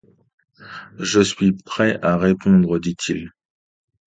Je suis prêt à répondre, dit-il.